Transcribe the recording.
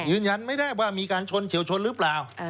ยืนยันไม่ได้ว่ามีการชนเฉียวชนหรือเปล่า